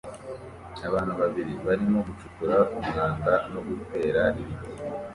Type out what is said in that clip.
Abantu babiri barimo gucukura umwanda no gutera ibiti